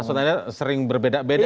maksudnya sering berbeda beda